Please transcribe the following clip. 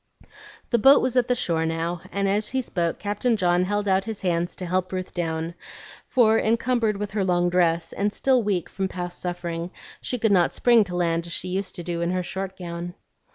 The boat was at the shore now; and as he spoke Captain John held out his hands to help Ruth down, for, encumbered with her long dress, and still weak from past suffering, she could not spring to land as she used to do in her short gown.